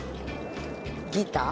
ギター！？